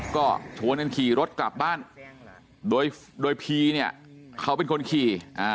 ก็ชวนกันขี่รถกลับบ้านโดยพีเนี่ยเขาเป็นคนขี่